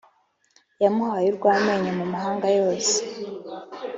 Yamuhaye urwamenyo mu mahanga yose